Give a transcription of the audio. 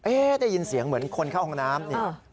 ได้ยินเสียงเหมือนคนเข้าห้องน้ำนี่